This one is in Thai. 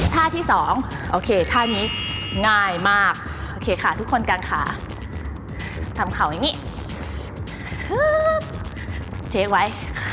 ท่าที่สองโอเคท่านี้ง่ายมากโอเคค่ะทุกคนกลางขาทำเข่าอย่างนี้เช็คไว้